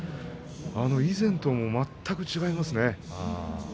以前と全く違いますね。